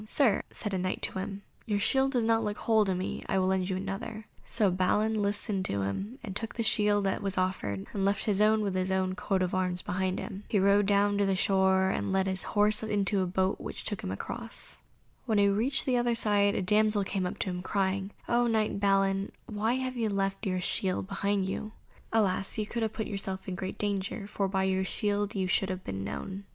"Sir," said a Knight to him, "your shield does not look whole to me; I will lend you another;" so Balin listened to him and took the shield that was offered, and left his own with his own coat of arms behind him. He rode down to the shore, and led his horse into a boat which took them across. When he reached the other side, a damsel came to him crying, "O knight Balin, why have you left your own shield behind you? Alas! you have put yourself in great danger, for by your shield you should have been known.